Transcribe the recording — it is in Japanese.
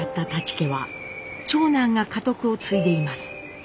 家は長男が家督を継いでいます。